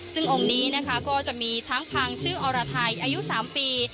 ซึ่งองค์นี้นะคะก็จะมีช้างพังชื่ออรไทยอายุ๓ปี